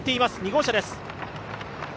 ２号車です。